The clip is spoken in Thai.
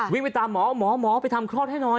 วิ่งไปตามหมอหมอไปทำคลอดให้หน่อย